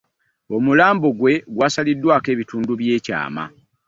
Omulambo gwe gwasaliddwako ebitundu eby'ekyama